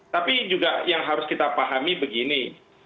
tapi juga yang harus kita pahami begini